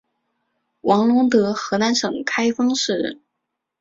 王陇德河南省开封市人。